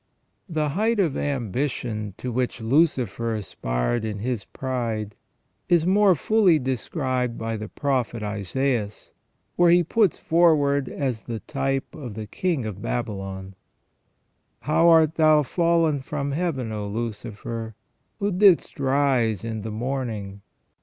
The height of ambition to which Lucifer aspired in his pride is more fully described by the prophet Isaias, where he is put forward as the type of the king of Babylon. " How art thou fallen from Heaven, O Lucifer, who didst rise in the morning